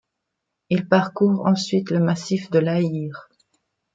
Il parcourt ensuite le massif de l'Aïr.